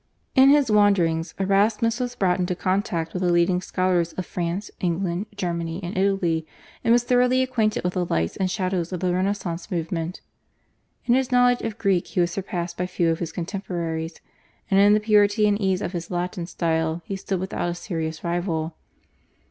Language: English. In his wanderings Erasmus was brought into contact with the leading scholars of France, England, Germany, and Italy, and was thoroughly acquainted with the lights and shadows of the Renaissance movement. In his knowledge of Greek he was surpassed by few of his contemporaries, and in the purity and ease of his Latin style he stood without a serious rival.